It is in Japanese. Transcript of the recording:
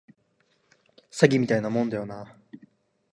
詐欺みたいなもんだよな